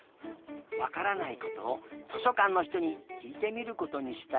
わからないことを図書かんのひとにきいてみることにしたよ。